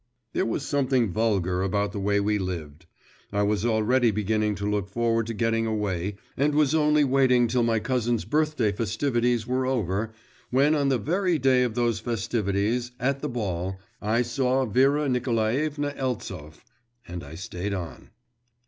There was something vulgar about the way we lived. I was already beginning to look forward to getting away, and was only waiting till my cousin's birthday festivities were over, when on the very day of those festivities, at the ball, I saw Vera Nikolaevna Eltsov and I stayed on.